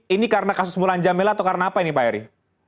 ini karena kasus mulan jamila atau karena apa ini pak eri